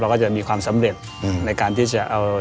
เราก็จะมีความสำเร็จในการที่จะชนะอุปสรรค